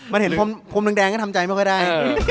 มันเห็นพรมแดงก็ทำใจไม่ค่อยได้